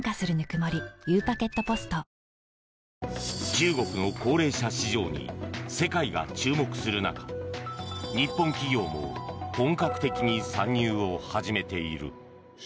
中国の高齢者市場に世界が注目する中日本企業も本格的に参入を始めている。